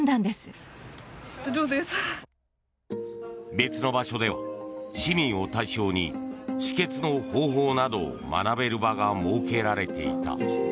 別の場所では市民を対象に止血の方法などを学べる場が設けられていた。